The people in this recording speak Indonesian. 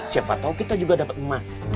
siapa tahu kita juga dapat emas